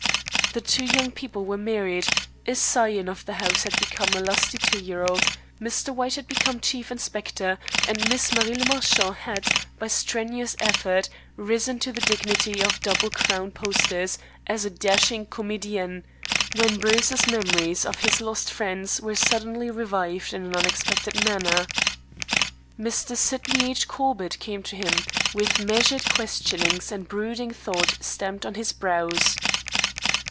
The two young people were married, a scion of the house had become a lusty two year old, Mr. White had become Chief Inspector, and Miss Marie le Marchant had, by strenuous effort, risen to the dignity of double crown posters as a "dashing comedienne" when Bruce's memories of his lost friends were suddenly revived in an unexpected manner. Mr. Sydney H. Corbett came to him with measured questionings and brooding thought stamped on his brows.